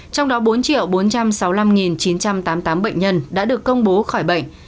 trong đó bốn bốn trăm sáu mươi năm chín trăm tám mươi tám bệnh nhân đã được công bố khỏi bệnh